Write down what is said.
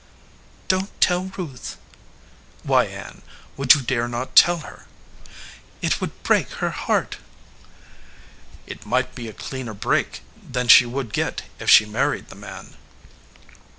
"Don t tell Ruth." "Why, Ann, would you dare not tell her?" "It would break her heart." "It might be a cleaner break than she would get if she married the man."